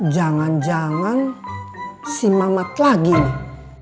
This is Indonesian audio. jangan jangan si mamat lagi nih